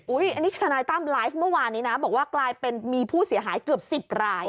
อันนี้ทนายตั้มไลฟ์เมื่อวานนี้นะบอกว่ากลายเป็นมีผู้เสียหายเกือบ๑๐ราย